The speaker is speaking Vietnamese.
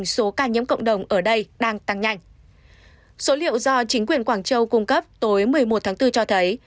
số liệu do chính quyền quảng châu cung cấp tối một mươi một tháng bốn cho thấy